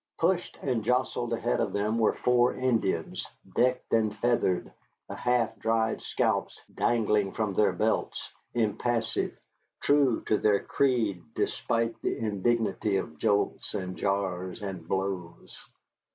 Pushed and jostled ahead of them were four Indians, decked and feathered, the half dried scalps dangling from their belts, impassive, true to their creed despite the indignity of jolts and jars and blows.